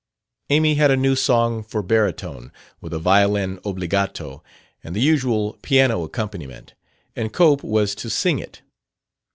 Amy had a new song for baritone, with a violin obbligato and the usual piano accompaniment, and Cope was to sing it.